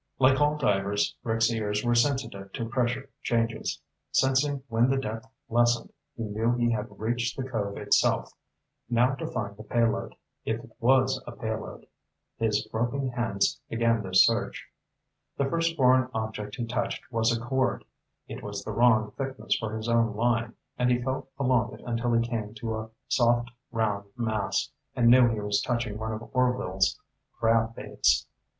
Like all divers, Rick's ears were sensitive to pressure changes. Sensing when the depth lessened, he knew he had reached the cove itself. Now to find the payload if it was a payload. His groping hands began the search. The first foreign object he touched was a cord. It was the wrong thickness for his own line, and he felt along it until he came to a soft, round mass, and knew he was touching one of Orvil's crab baits.